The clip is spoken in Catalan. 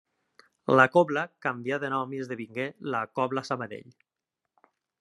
La cobla canvià de nom i esdevingué la cobla Sabadell.